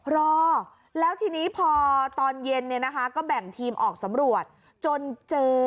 รอแล้วทีนี้พอตอนเย็นก็แบ่งทีมออกสำรวจจนเจอ